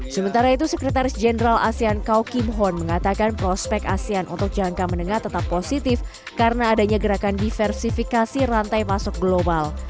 sementara itu sekretaris jenderal asean kau kim hon mengatakan prospek asean untuk jangka menengah tetap positif karena adanya gerakan diversifikasi rantai masuk global